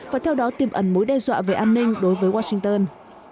và theo đó tìm ẩn mối đe dọa về an ninh đối với washington